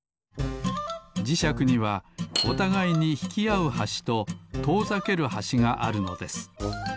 じしゃくにはおたがいにひきあうはしととおざけるはしがあるのです。